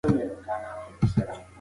لښتې په غلي غږ د خپل نصیب شکایت وکړ.